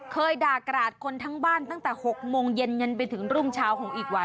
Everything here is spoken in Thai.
เคยด่ากราดคนทั้งบ้านตั้งแต่๖โมงเย็นไปถึงรุ่งเช้าของอีกวัน